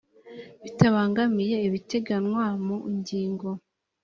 bitabangamiye ibiteganywa mu ingingo